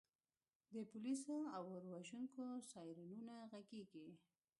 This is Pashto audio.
د پولیسو او اور وژونکو سایرنونه غږیږي